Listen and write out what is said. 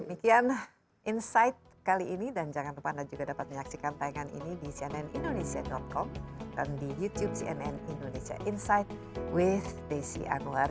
demikian insight kali ini dan jangan lupa anda juga dapat menyaksikan tayangan ini di cnnindonesia com dan di youtube cnn indonesia insight with desi anwar